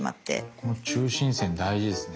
この中心線大事ですね。